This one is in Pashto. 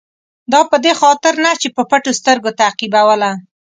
دا په دې خاطر نه چې په پټو سترګو تعقیبوله.